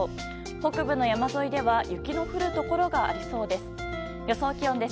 北部の山沿いでは雪の降るところがありそうです。